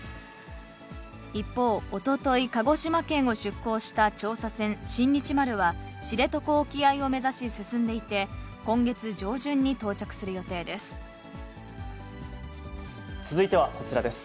一方、おととい鹿児島県を出航した調査船、新日丸は、知床沖合を目指し進んでいて、今月上旬に到着する予定です。